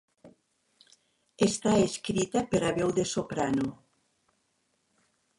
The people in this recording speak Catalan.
Està escrita per a veu de soprano.